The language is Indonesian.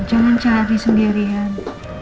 jangan cari sendirian